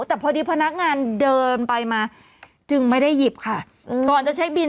แต่พอดีพนักงานเดินไปมาจึงไม่ได้หยิบค่ะก่อนจะเช็คบิน